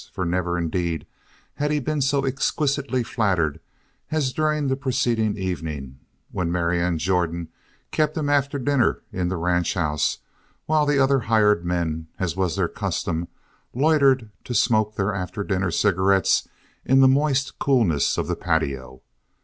For never, indeed, had he been so exquisitely flattered as during the preceding evening when Marianne Jordan kept him after dinner in the ranchhouse while the other hired men, as was their custom, loitered to smoke their after dinner cigarettes in the moist coolness of the patio.